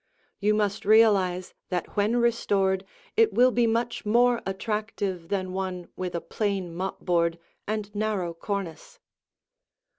You must realize that when restored it will be much more attractive than one with a plain mopboard and narrow cornice.